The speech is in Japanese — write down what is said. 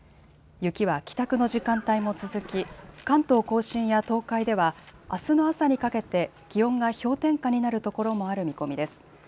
雪は帰宅の時間帯も続き関東甲信や東海ではあすの朝にかけて気温が氷点下になる所もある見込みです。